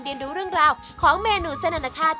ดูเรื่องราวของเมนูเส้นอนาชาติ